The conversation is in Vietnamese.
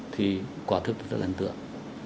thì quả thức rất là ấn tượng